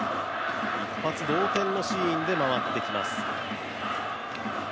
一発同点のシーンで回ってきます。